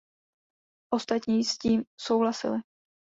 Ostatní s tím souhlasili.